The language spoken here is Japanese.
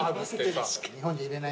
日本じゃ入れない。